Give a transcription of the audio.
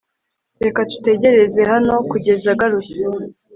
reka tutegereze hano kugeza agarutse